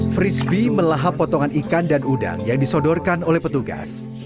frisbee melahap potongan ikan dan udang yang disodorkan oleh petugas